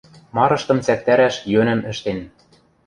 Марыштым цӓктӓрӓш йӧнӹм ӹштен.